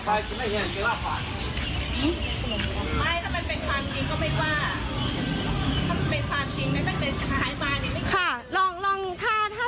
ไม่ถ้ามันเป็นความจริงก็ไม่ว่าถ้ามันเป็นความจริงแล้วตั้งแต่ขายมาเนี่ยไม่คิด